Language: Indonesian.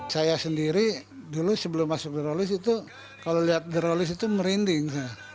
saya sendiri dulu sebelum masuk drolis itu kalau lihat drolis itu merinding